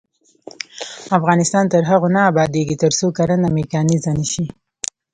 افغانستان تر هغو نه ابادیږي، ترڅو کرنه میکانیزه نشي.